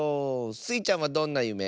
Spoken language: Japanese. スイちゃんはどんなゆめ？